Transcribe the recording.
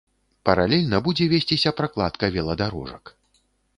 Паралельна будзе весціся пракладка веладарожак.